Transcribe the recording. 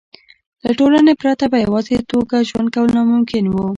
له ټولنې پرته په یوازې توګه ژوند کول ناممکن وو.